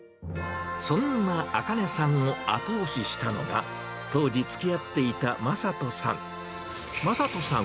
そんなあかねさんを後押ししたのは、当時、つきあっていた正人さん。